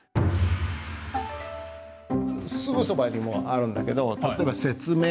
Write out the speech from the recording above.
すぐそばにもあるんだけど例えば「説明」。